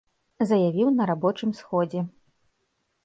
Заявіў на рабочым сходзе.